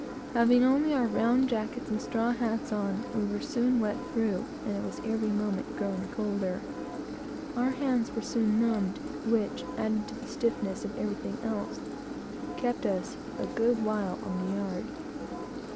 Having only our round jackets and straw hats on, we were soon wet through, and it was every moment growing colder. Our hands were soon stiffened and numbed, which, added to the stiffness of everything else, kept us a good while on the yard.